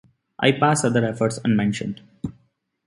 I pass other efforts unmentioned.